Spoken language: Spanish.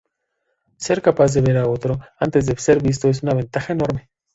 Ser capaz de "ver" al otro antes de ser visto es una ventaja enorme.